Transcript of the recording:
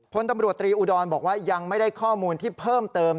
พลตำรวจตรีอุดรบอกว่ายังไม่ได้ข้อมูลที่เพิ่มเติม